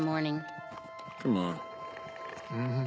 うん。